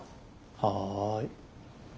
はい。